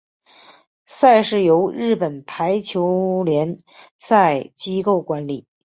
赛事由日本排球联赛机构管理。